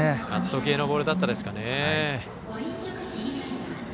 カット系のボールだったですかね。